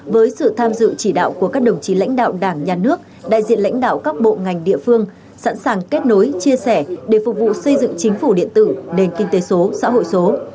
với sự tham dự chỉ đạo của các đồng chí lãnh đạo đảng nhà nước đại diện lãnh đạo các bộ ngành địa phương sẵn sàng kết nối chia sẻ để phục vụ xây dựng chính phủ điện tử nền kinh tế số xã hội số